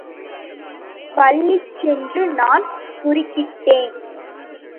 பளிச்சென்று நான் குறுக்கிட்டேன்.